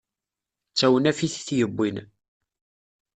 D tawnafit i t-yewwin.